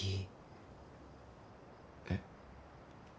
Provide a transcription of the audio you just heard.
えっ？